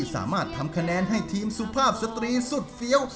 สามารถทำคะแนนให้ทีมสุภาพสตรีสุดเฟี้ยว